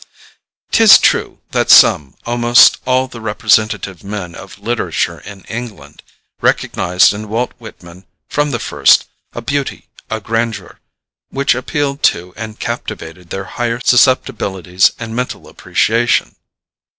'Tis true that some, almost all the representative men of literature in England, recognized in Walt Whitman, from the first, a beauty, a grandeur, which appealed to and captivated their higher susceptibilities and mental appreciation.